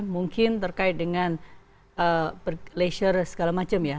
mungkin terkait dengan leisure segala macam ya